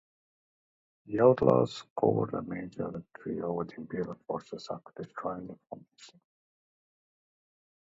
The outlaws score a major victory over the imperial forces after destroying the formation.